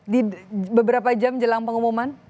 di beberapa jam jelang pengumuman